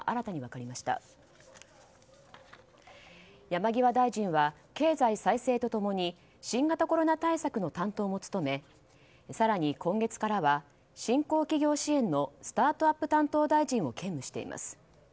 山際大臣は経済再生とともに新型コロナ対策の担当も務め更に今月からは新興企業支援のスタートアップ担当大臣を兼務しています。